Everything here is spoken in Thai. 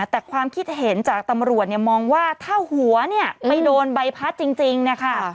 แต่ความคิดเห็นจากตำรวจมองว่าถ้าหัวไปโดนใบพัดจริงนะคะ